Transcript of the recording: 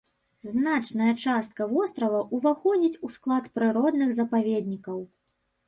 Значная частка вострава ўваходзіць у склад прыродных запаведнікаў.